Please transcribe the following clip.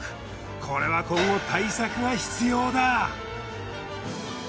これは今後対策が必要だ。